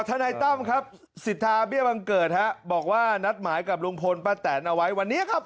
นายตั้มครับสิทธาเบี้ยบังเกิดฮะบอกว่านัดหมายกับลุงพลป้าแตนเอาไว้วันนี้ครับ